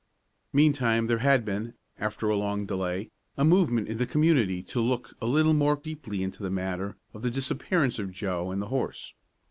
Meantime there had been, after a long delay, a movement in the community to look a little more deeply into the matter of the disappearance of Joe and the horse.